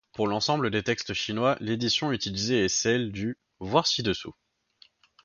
Pour l'ensemble des textes chinois, l'édition utilisée est celle du - voir ci-dessous.